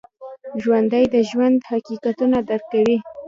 ژوندي د ژوند حقیقتونه درک کوي